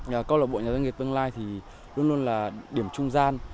câu lạc bộ nhà doanh nghiệp tương lai thì luôn luôn là điểm trung gian